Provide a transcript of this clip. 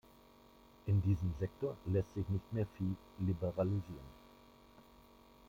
In diesem Sektor lässt sich nicht mehr viel liberalisieren.